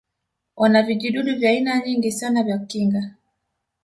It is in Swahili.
wana vijidudu vya aina nyingi sana vya kinga